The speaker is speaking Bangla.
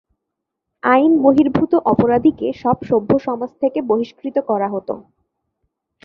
আইন-বহির্ভূত অপরাধীকে সব সভ্য সমাজ থেকে বহিষ্কৃত করা হতো।